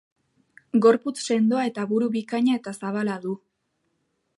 Gorputz sendoa eta buru bikaina eta zabala du.